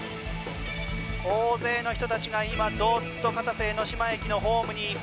大勢の人たちが今、ドッと片瀬江ノ島駅のホームに。